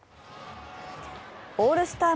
オールスター